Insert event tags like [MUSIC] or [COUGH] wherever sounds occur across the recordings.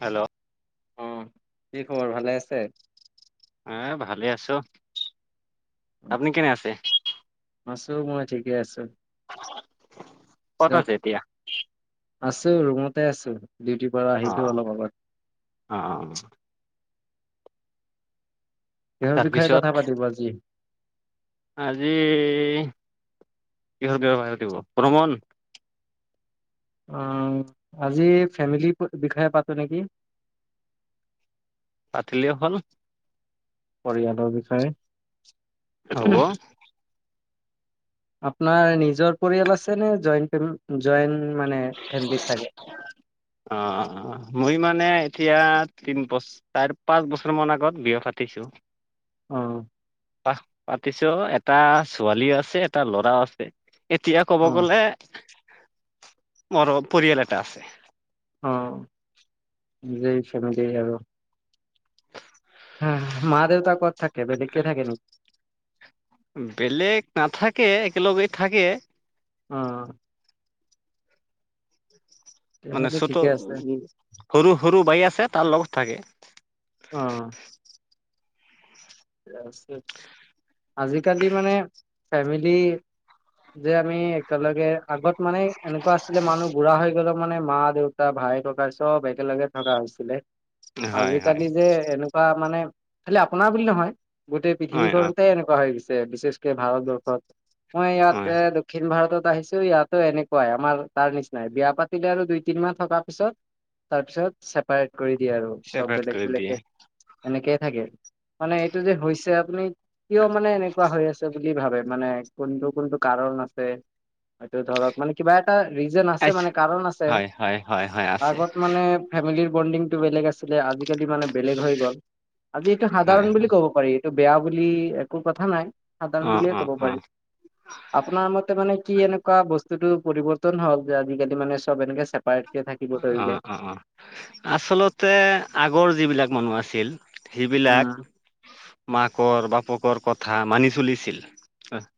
Hello? অঁ। কি খবৰ ভালে আছে? এ ভালে আছো। আপুনি কেনে আছে? আছো মই, ঠিকে আছো। কত পিছত আছে এতিয়া? আছো ৰুমতে আছো। ডিউটিৰ পৰা আহিলো অলপ আগত। অ', অ ' কিহৰ বিষয়ে তাৰপিছত কথা পাতিব আজি? আজি কিহৰ বিষয়ে কথা পাতিব? প্রথম শুন? অ', আজি ফেমিলি বিষয়ে পাতো নেকি? পাতিলে হ'ল। পৰিয়ালৰ হ'ব বিষয়ে। আপোনাৰ নিজৰ পৰিয়াল আছে নে? জইণ্ট মানে ফেমিলত থাকে? অ', অ ', অ' মই মানে এতিয়া তিন পচ চাৰ পাঁচ বছৰ মান আগত বিয়া পাতিছো। অঁ', পা পাতিছো এটা ছোৱালী আছে, এটা ল'ৰাও আছে। এতিয়া ক'ব অ গলে, মোৰো পৰিয়াল এটা আছে। অ'। যে ছেভেনটি য়াৰ'। হা, মা দেউতা কত থাকে? বেলেগকে থাকে নেকি? বেলেগ নাথাকে একেলগে থাকে। অঁ', মানে তেনেহ'লে চত ঠিকে আছে উ সৰু সৰু বাই আছে, তাৰ লগত থাকে। অ', আজিকালি মানে ফেমিলি যে আমি একেলগে আগত মানে এনেকুৱা আছিলে মানুহ বুঢ়া হৈ ত' মানে মা দেউতা ভাই ককাই চব একেলগে থকা হৈছিলে। হয় হয় আজিকালি যে এনেকুৱা মানে, খালি আপোনাৰ বুলি নহয়। গোটেই হয় অ পৃথিৱীখনতে এনেকুৱা হৈ গৈছে, বিশেষকে ভাৰতবৰ্ষত। মই হয় ইয়াত দক্ষিণ ভাৰতত আহিছো ইয়াতো এনেকুৱাই, আমাৰ তাৰ নিচিনাই। বিয়া পাতিলে আৰু দুই, তিনি মাহ থকাৰ পিছত তাৰ পিছত ছেপাৰেট কৰি দিয়ে আৰু চব চেপাৰেট বেলেগ কৰি দিয়ে বেলেগে, এনেকেই থাকে। মানে এইটো যে হৈছে আপুনি কিয় মানে এনেকুৱা হৈ আছে বুলি কি ভাবে মানে, কোনটো কোনটো কাৰণ আছে। হয়টো ধৰক মানে কিবা এটা ৰিজন আছে আচ্ছা মানে কাৰণ আছে। হয় হয় হয় হয় আছে আগত মানে ফেমেলী বন্দিংটো বেলেগ আছিলে। আজি কালি মানে বেলেগ হৈ গল। আজি এইটো হয় সাধাৰণ বুলি হয় কব পাৰি এইটো বেয়া বুলি একো কথা নাই সাধাৰণ অ বুলিয়ে অ ক'ব পাৰি। অ' আপোনাৰ মতে মানে কি এনেকুৱা বস্তুটো পৰিবৰ্তন হল যে আজিকালি মানে চব এনেকে চে অ', অ', অ' আচলতে আগৰ যিবিলাক মানুহ আছিল সেইবিলাক উম, মাকৰ বাপকৰ কথা মানি চলিছিল।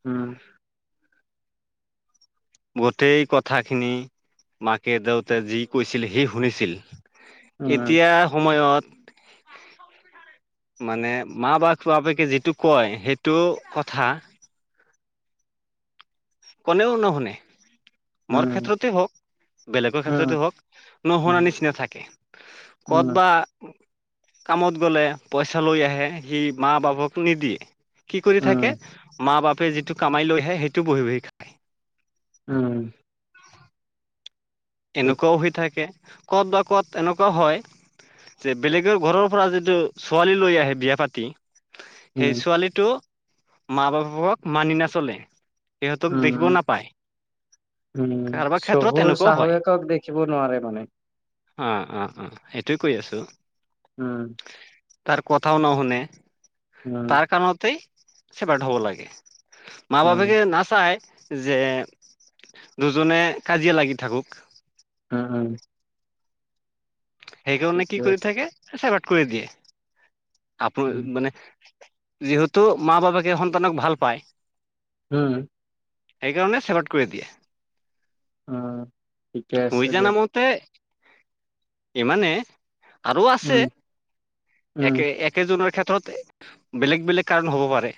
উম'। গোটেই কথাখিনি মাকে দেউতে যি কৈছিল সি শুনিছিল। উম, এতিয়া সময়ত মানে মা বা বাপেকে যিটো কয় সেইটো কথা কোনেও নুশুনে। মোৰ উম, ক্ষেত্ৰতে হওক, বেলেগৰ উম, ক্ষেত্ৰতে হওক, নুশুনা উম, নিচিনা থাকে। কত উম, বা কামত গ'লে পইচা লৈ আহে, সি মা - বাপকটো নিদিয়ে। কি কৰি থাকে, উম, মা - বাপে যিটো কামাই লৈ আহে সেইটো বহি - বহি খায়। উম। ঠিক এনেকুৱাও হৈ থাকে, ক'ত বা ক'ত এনেকুৱাও হয় যে বেলেগৰ ঘৰৰ পৰা যিটো ছোৱালী লৈ আহে বিয়া পাতি উম, সেই ছোৱালীটো মা - বাপেকক মানি নাচলে। সিহঁতক দেখিব উম', নাপায় উম, কাৰোবাৰ ক্ষেত্ৰত শহুৰ এনেকুৱাও হয় শাহুৱেকক দেখিব নোৱাৰে মানে। অ অ অ, সেইটোয়ে কৈ আছো। ওম। তাৰ কথাও নশুনে উম, তাৰ কাৰণতেই চেপাৰেট হ'ব লাগে, মা - উম। বাপেকে নাচাই যে দুজনে কাজিয়া লাগি থাকোক। অ অ। সেইকাৰণে কি ঠিকে কৰি আছে থাকে? চেপাৰেট কৰি দিয়ে, আপোন উম মানে যিহেতু মা বাপেকে সন্তানক ভাল পায়। ওম। সেইকাৰণে চেপাৰেট কৰি দিয়ে। অ। শুই জানা মতে ইমানে আৰু আছে, উম উম একে এক কেইজনৰ ক্ষেত্ৰত বেলেগ- বেলেগ কাৰণ হ'ব পাৰে।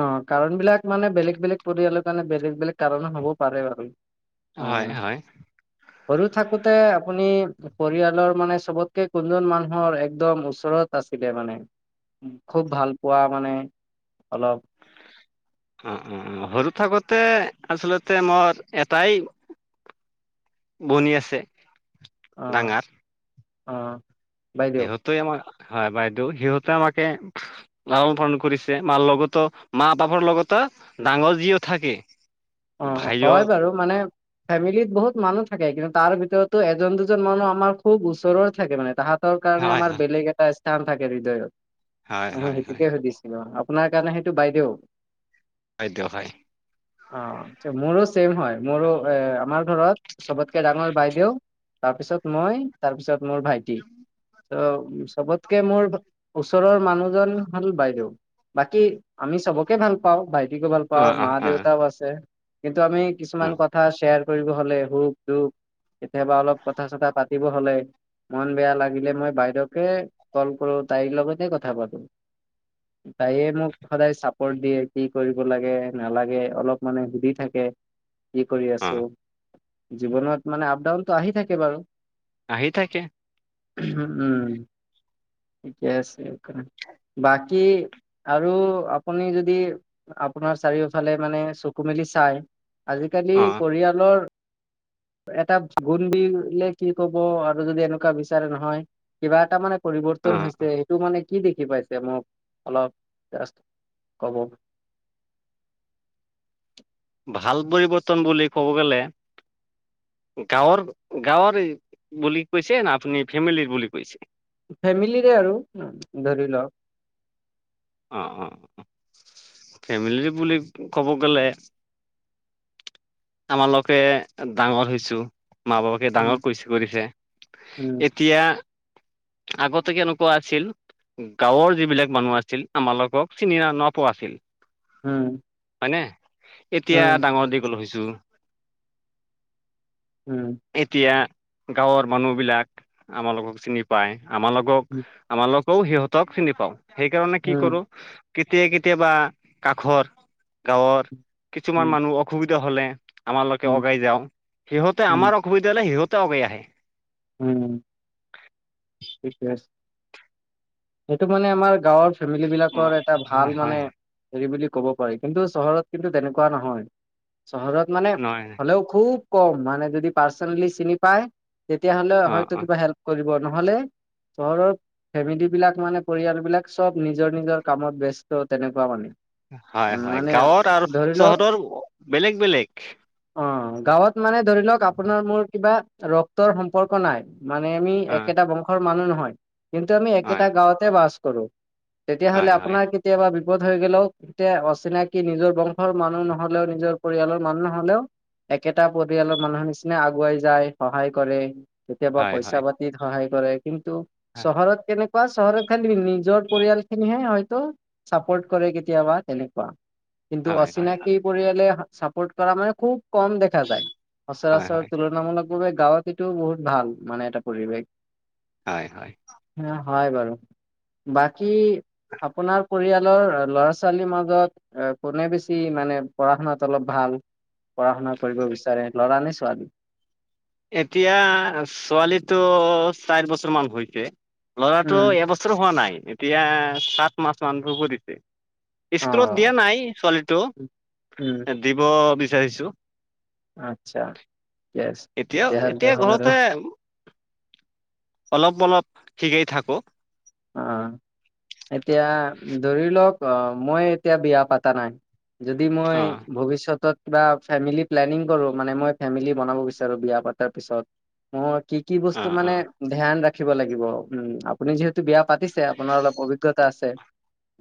অ কাৰণবিলাক মানে বেলেগ - বেলেগ পৰিয়ালৰ কাৰণে বেলেগ - বেলেগ কাৰণ হব পাৰে বাৰু। হয় হয়। কৰি থাকোতে আপুনি পৰিয়ালৰ মানে চবতকে কোনজন মানুহৰ একদম ওচৰত আছিলে মানে? উ খুব ভাল পোৱা মানে অলপ অ অ, সৰু থাকোতে আচলতে মই এটাই বনি আছে। অ ডাঙৰ অ। বাইদেউ সিহঁতে আমাৰ হয় বাইদেউ, সিহঁতে আমাকে লালন পালন কৰিছে, মাৰ লগতো মা- বাপৰ লগত ডাঙৰ যিও থাকে অ, ভাইও হয় বাৰু মানে ফেমিলিত বহুত মানুহ থাকে, কিন্তু তাৰ ভিতৰতো এজন দুজন মানুহ আমাৰ খুব ওচৰৰ থাকে মানে তাহাঁত তাৰ কাৰণে হয় আমাৰ বেলেগ এটা স্থান থাকে হৃদয়ত হয় হয় স হয় হয় সেইটোকে সুধিছো। আপোনাৰ কাৰণে সেইটো বাইদেউ? হয় দে হয়। অ মোৰো ছেম হয় মোৰো এ আমাৰ ঘৰত চবতকে ডাঙৰ বাইদেউ তাৰপিছত মই, তাৰপিছত মোৰ ভাইটি। ত চবতকে মোৰ ওচৰৰ মানুহজন হ'ল বাইদেউ। বাকী আমি চবক কে ভাল পাওঁ। ভাইটিকো ভাল অ', পাওঁ মা অ', অ', দেউতাও আছে কিন্তু আমি কিছুমান অ', কথা শ্বেয়াৰ কৰিব হ'লে সুখ- দুখ কেতিয়াবা অলপ কথা চথা পাতিব হ'লে মন বেয়া লাগিলে মই বাইদেওকে কল কৰো তাইৰ লগতে কথা পাতো। তায়ে মোক সদায় চাপৰ্ট দিয়ে। কি কৰিব লাগে নালাগে। অলপ মানে সুধি থাকে কি কৰি আছো। অ', জীৱনত মানে আপ ডাউনতটো আহি থাকে বাৰু। আহি থাকে। হু উম ঠিকে আছে। বাকী আৰু আপুনি যদি আপোনাৰ চাৰিওফালে মানে চকু মেলি চাই, আজিকালি অ', পৰিয়ালৰ এটা গুণ দিলে কি কব আৰু যদি এনেকুৱা বিচাৰে নহয়, কিবা এটা মানে পৰিৱৰ্তন অ', হৈছে সেইটো মানে কি দেখি পাইছে? মোক অলপ জাস্ট‌ ক'ব ভাল পৰিৱৰ্তন বুলি ক'ব গ'লে গাঁৱৰ গাঁৱৰ এ বুলি কৈছে না আপুনি ফেমিলিৰ বুলি কৈছে? ফেমিলিৰে আৰু ধৰি লওঁক। অঁ অঁ ফেমিলি বুলি ক'ব গ'লে আমালকে ডাঙৰ হৈছো মা বাপাকে উম ডাঙৰ কৰিছ কৰিছে। এতিয়া আগতে কেনেকোৱা‌ আছিল ও গাঁৱৰ যিবিলাক মানুহ আছিল আমালোকক চিনি ন পোৱা আছিল। হুম। হয়নে? এতিয়া ডাঙৰ দীঘল হৈছো। উম এতিয়া গাঁৱৰ মানুহবিলাক আমালোকক চিনি পায় আমালোকক আমালোক কৌ সিহঁতক চিনি পাওঁ সেইকাৰণে কি কৰো কেতিয়া কেতিয়াবা কাষৰ গাঁৱৰ কিছুমান মানুহ অসুবিধা হলে আমালৈকে আগাই যাওঁ, সিহঁতে আমাৰ অসুবিধা হলে সিহঁতে আগাই আহে। ওম। ঠিকে আছে। সেইটো মানে আমাৰ গাঁৱৰ ফেমিলি বিলাকৰ এটা হয় ভাল হয় মানে হেৰি বুলি ক'ব পাৰি। কিন্তু চহৰত কিন্তু তেনেকুৱা নহয় চহৰত মানে নহয় নহয় হ'লেও খুব কম। মানে যদি পাৰ্চনেলি চিনি পায় তেতিয়া হ'লেও অ' হয়তো অ' কিবা হেল্প কৰিব নহ'লে চহৰৰ ফেমিলী বিলাক মানে পৰিয়াল বিলাক, চব নিজৰ নিজৰ কামত ব্যস্ত তেনেকুৱা মানে। হয় উম, হয়। মানে গাঁৱত আৰ ধৰি চহৰৰ বেলেগ বেলেগ। অঁ, গাঁৱত মানে ধৰি লওক আপোনাৰ মোৰ কিবা ৰক্তৰ সম্পৰ্ক নাই মানে আমি অ' একেটা বংশৰ মানুহ নহয়, কিন্তু আমি হয় একেটা গাঁওতে বাস কৰোঁ। তেতিয়া হ'লে হয় হয় আপোনাৰ কেতিয়াবা বিপদ হৈ গলেও তেয়া অচিনাকি নিজৰ বংশৰ মানুহ নহ'লেও নিজৰ পৰিয়ালৰ মানুহ নহ'লেও একেটা পৰিয়ালৰ মানুহৰ নিচিনা আগুৱাই যায়, সহায় কৰে। কেতিয়াবা হয় পইচা হয় পাতিত সহায় কৰে, কিন্তু হয় চহৰত কেনেকে। কেনেকুৱা চহৰত খালি নিজৰ পৰিয়াল খিনিহে হয়তো চাপৰ্ট কৰে কেতিয়াবা তেনেকুৱা। কিন্তু হয় হয় অচিনাকি পৰিয়াললে চাপোৰ্ট কৰা মানে খুব। কম দেখা যায়, হয় হয় সচৰাচৰ তুলনামূলকভাবে গাঁৱততো বহুত ভাল মানে এটা পৰিৱেশ। হয় হয়। হয় বাৰু বাকী আপোনাৰ পৰিয়ালৰ ল'ৰা ছ। ল' ছোৱালীৰ মাজত এ' কোনে বেছি মানে পঢ়া শুনাত অলপ ভাল? পঢ়া শুনা কৰিব বিচাৰে, ল'ৰা নে ছোৱালী? এতিয়া ছোৱালীটো চাৰি বছৰ মান হৈছে ল'ৰাটো উম এবছৰ। হোৱা নাই এতিয়া সাত মাহ মান ধব দিছে। অ স্কুলত দিয়া নাই ছোৱালীটো, উম দিব বিচাৰিছো। আচ্ছা। ঠিকে আছে এতিয়াও তেতিয়াহ'লে এতিয়া হ'ল আৰু ঘৰতে অলপ - অলপ শিকাই থাকো। অ' এতিয়া ধৰি লওক অ' মই এতিয়া বিয়া পতা নাই। যদি মই অ ভৱিষ্যতত। কিবা ফেমিলি প্লেনিং কৰো মানে মই ফেমিলি বনাব বিচাৰো বিয়া পাতাৰ পিছত মই। কি কি অ বস্তু মানে অ ধ্যান ৰাখিব লাগিব, উম আপুনি যিহেতু। বিয়া পাতিছে, আপোনাৰ অলপ অভিজ্ঞতা আছে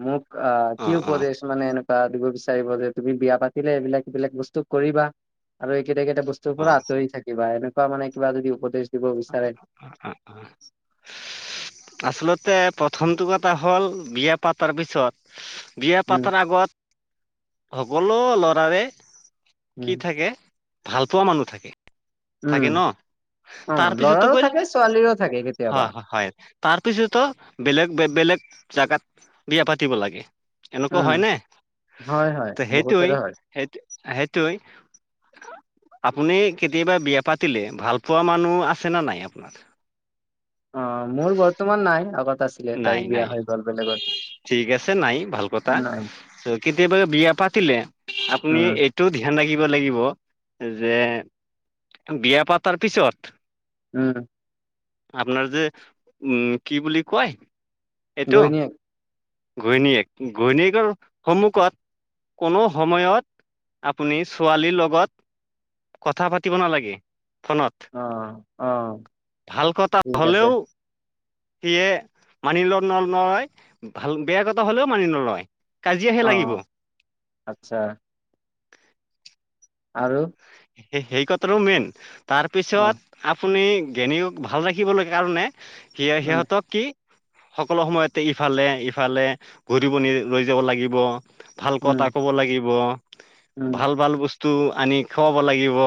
মোক অ কি উপদেশ। মানে এনেকুৱা দিব বিচাৰিব যে, তুমি বিয়া পাতিলে এইবিলাক এইবিলাক বস্তু কৰিবা। আৰু এই কেইটা - কেইটা বস্তুৰ অ অ পৰা আঁতৰি থাকিবা এনেকুৱা মানে কিবা যদি উপদেশ দিব বিচাৰে। উ উ। আচলতে প্ৰথমটো কথা হ'ল বিয়া পাতাৰ পিছত। বিয়া উম পতাৰ আগত সকলো ল'ৰাৰে। কি উম থাকে ভালপোৱা মানুহ থাকে। উম থাকে ন, অ তাৰপিছতে ল'ৰাৰো গৈ থাকে ছোৱালীৰো থাকে কেতিয়াবা হয় হয় হয়। তাৰপিছতো বেলেগ- বেলেগ জেগাত বিয়া পাতিব লাগে। এনেকুৱা উম হয় ন, হয়, হয়, ত 'সেইটোৱে বহুতৰে হয়। সেইটো সেই। সেইটোৱে। আপুনি কেতিয়াবা বিয়া পাতিলে ভাল পোৱা মানুহ আছে নে নাই আপোনাৰ? অ' মোৰ বৰ্তমান নাই, আগত আছিলে তাইৰ নাই, বিয়া নাই হৈ গ'ল বেলেগত। ঠিক আছে নাই ভাল কথা নাই, কেতিয়াবা বিয়া পাতিলে আপুনি। উম, টো ধ্যান ৰাখিব লাগিব যে, বিয়া পাতাৰ পিছত। উম। আপোনাৰ যে, উম কি বুলি কয়। এইটো দৈনিক। ঘৈণীয়েক, ঘৈণীয়েকৰ সন্মুখত। কোনো সময়ত আপুনি ছোৱালীৰ লগত। কথা পাতিব নালাগে ফোনত। অ', অ', ভাল কথা ঠিক আছে, হলেও। সেয়ে মানি ল নল নহয়। [UNINTELLIGIBLE] ভাল বেয়া কথা হ'লেও মানি নলয়। কাজিয়াহে লাগিব অঁ আচ্ছা। আৰু। স সেই কথাটো মেইন, অ', তাৰপিছত আপুনি ঘৈণীক ভাল ৰাখিবলৈ কাৰণে সেয়াই উম, সিহঁতক কি সকলো সময়তে ইফালে ইফালে ঘূৰিব নি লৈ যাব লাগিব। ভাল উম, কথা ক'ব লাগিব উম, ভাল ভাল বস্তু আনি খুৱাব লাগিব।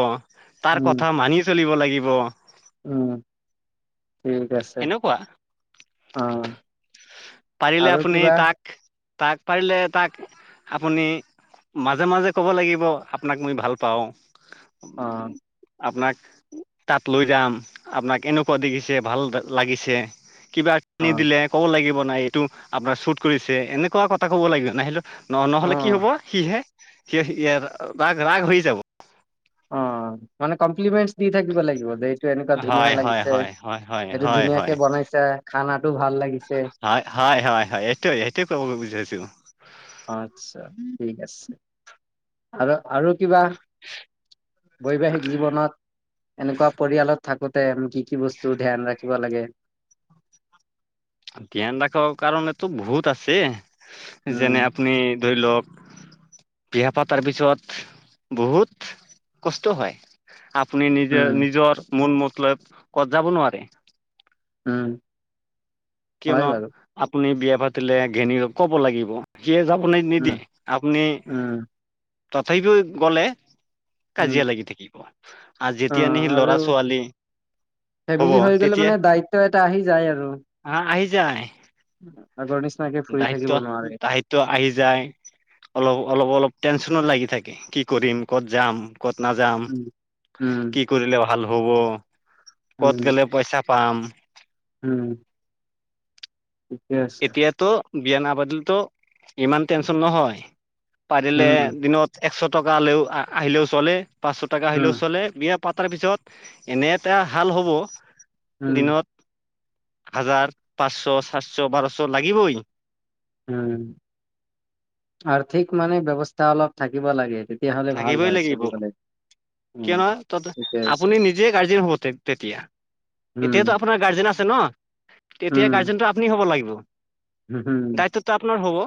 তাৰ উম, কথা মানি চলিব লাগিব। উম ঠিক আছে এনেকুৱা অঁ পাৰিলে আপুনি তাক তাক পাৰিলে তাক আপুনি মাজে মাজে ক'ব লাগিব আপোনাক মই ভাল পাওঁ। অ আপোনাক তাত লৈ যাম আপোনাক এনেকুৱা দেখিছে ভাল লাগিছে কিবা। নি অ', দিলে ক'ব লাগিব নাই এইটো আপোনাৰ শ্বুট কৰিছে এনেকুৱা কথা ক'ব লাগিব নাহিলো। ন নহলে কি অ', হব সিহে সি সে ৰা ৰাগ হৈ যাব। অ মানে কমপ্লিমেণ্ট দি থাকিব লাগিব দেই টো এনেকুৱা ধুনীয়া হয় হয় লাগিছে হয় হয় হয় সেইটো হয় ধুনীয়াকে হয় বনাইছে খানাতো ভাল লাগিছে। হয় হয় হয় হয় এইটোৱে সেইটোৱে কবো বিচাৰিছোঁ। আচ্ছা ঠিক আছে আৰু আৰু কিবা বৈবাহিক জীৱনত এনেকুৱা পৰিয়ালত। থাকোতে আমি কি কি বস্তু ধ্যান ৰাখিব লাগে। ধ্যান ৰাখাৰ কাৰণেতো বহুত আছে যেনে উম, আপুনি ধৰি লওক- বিয়া পাতাৰ পিছত বহুত কষ্ট হয়। আপুনি নিজে উম, নিজৰ মল মত লৈ কত যাব নোৱাৰে উম হয় কিয়নো বাৰু। আপুনি বিয়া পাতিলে ঘেনীৰ ক'ব লাগিব। সিয়ে যাবলৈ উম, নিদিয়ে আপুনি উম, যেতেগই গলে উম, কাজিয়া লাগি থাকিব। আৰু যেতিয়া অ' নি সি আৰু ল'ৰা ছোৱালী হব তেতিয়া। টো এটা আহি যায় আৰু অ আহি যায়। আগৰ নিচিনা ফুৰি থাকিব নোৱাৰে। তো আহি যাই অলপ অলপ অলপ টেনচনো লাগি থাকে কি কৰিম ক'ত যাম। ক'ত নাযাম উম, উম, কি কৰিলে ভাল হ'ব ক'ত উম, গ'লে পইচা পাম উম ঠিকে আছে। এতিয়াতো বিয়া নাবাদিলেতো ইমান টেনশন নহয় পাৰিলে উম, দিনত একশ টকালেও আহিলেও চলে পাঁচশ টকা উম, আহিলেও চলে বিয় পাতাৰ পিছত এনে এটা হাল হ'ব উম, দিনত। হাজাৰ পাঁচশ চাতশ বাৰশ লাগিবই- উম আৰ্থিক মানে ব্যৱস্থা অলপ থাকিব লাগে। তেতিয়াহ'লে ভাল হয় চলিবলে কিয়নহ ত আপুনি নিজে গাৰ্জিৰ হব তেতিয়া। এতিয়াতো উম, আপোনাৰ গাৰ্জেন আছে ন তেতিয়া উম, গাৰ্জেনটো আপুনি হ'ব লাগিব হুম। দায়িত্বটো আপোনাৰ হ'ব